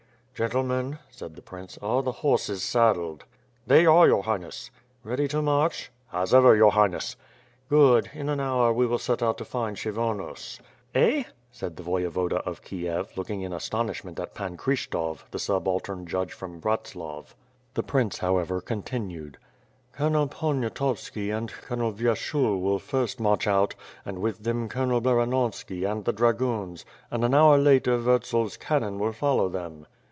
"Gentlemen," said the prince, "are the horses saddled?" "They are, your Highness." "Ready to march?" "As ever, your Highness." "Good, in an hour we will set out to find Kshyvonos." "Eh?" said the Voyevoda of Kiev looing in astonishment at Pan Kryshtof, the subaltern judge from Bratlav. The prince however contiued: "Colonel Poniatovski and Colonel Vyershul will first march out, and with them Colonel Baranovski and the dragoons and an hour later Vurtzel's cannon will follow them."